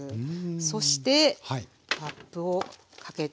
そしてラップをかけてふんわり。